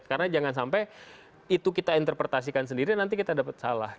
karena jangan sampai itu kita interpretasikan sendiri nanti kita dapat salah